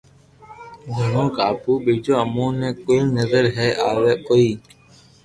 گڻ گايو ٻيجو امو ني ڪوئي نظر ھي ڪوئي